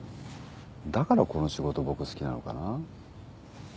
だからこの仕事僕好きなのかな。